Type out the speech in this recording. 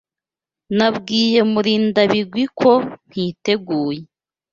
Nabwiye Murindabigwi ko ntiteguye.